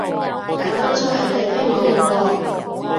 但當初係你飛我㗎喎